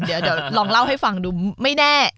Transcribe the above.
เดี๋ยวลองเล่าให้ฟังดูไม่แน่